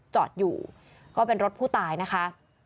จอดอยู่ก็เป็นรถผู้ตายนะคะ